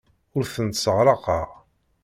Ur tent-sseɣraqeɣ.